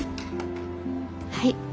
はい。